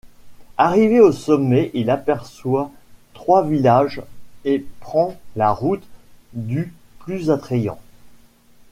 Arrivé au sommet, il aperçoit trois villages et prend la route du plus attrayant.